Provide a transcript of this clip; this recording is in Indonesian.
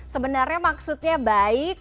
sebenarnya maksudnya baik